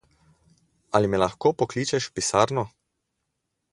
Ali me lahko pokličeš v pisarno?